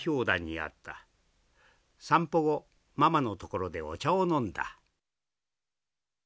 散歩後ママのところでお茶を飲んだ」。